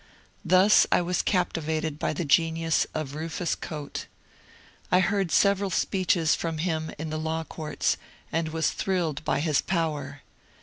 Thus I was captivated by the genius of Bufus Choate. I heard several speeches from him in the law courts, and was thrilled by his power.